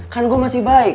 kan gua masih baik